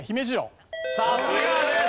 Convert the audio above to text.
さすがです。